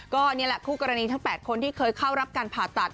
ก็นี่แหละคู่กรณีทั้ง๘คนที่เคยเข้ารับการผ่าตัด